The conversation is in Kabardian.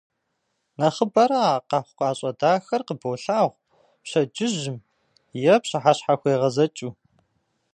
Нэхъыбэрэ а къэхъукъащӏэ дахэр къыболъагъу пщэдджыжьым е пщыхьэщхьэхуегъэзэкӏыу.